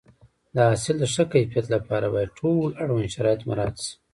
د حاصل د ښه کیفیت لپاره باید ټول اړوند شرایط مراعات شي.